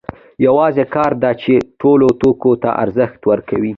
یوازې کار دی چې ټولو توکو ته ارزښت ورکوي